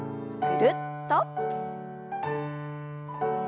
ぐるっと。